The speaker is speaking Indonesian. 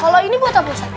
kalau ini buat apa ustadz